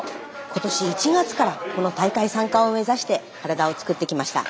今年１月からこの大会参加を目指して体をつくってきました。